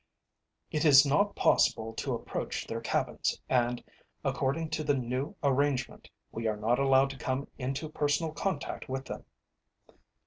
It is not possible to approach their cabins, and, according to the new arrangement, we are not allowed to come into personal contact with them."